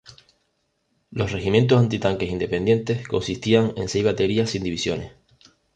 Los regimientos antitanque independientes consistían en seis baterías sin divisiones.